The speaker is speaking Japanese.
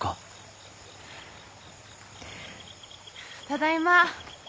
ただいま。